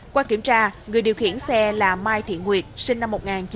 qua kiểm tra người điều khiển xe là mai thị nguyệt sinh năm một nghìn chín trăm tám mươi